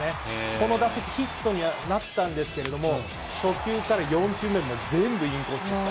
この打席、ヒットになったんですけれども、初球から４球目まで全部インコースでした。